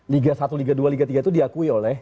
liga satu liga dua liga tiga itu diakui oleh